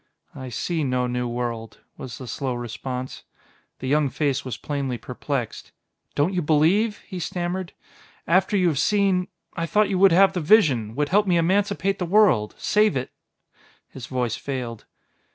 "I see no new world," was the slow response. The young face was plainly perplexed. "Don't you believe?" he stammered. "After you have seen ... I thought you would have the vision, would help me emancipate the world, save it " His voice failed.